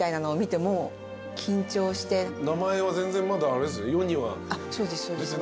名前は全然まだあれっすよね